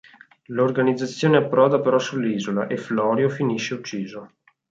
L'organizzazione approda però sull'isola, e Florio finisce ucciso.